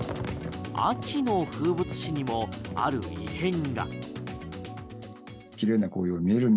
秋の風物詩にもある異変が。